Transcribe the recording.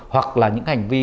hoặc là những hành vi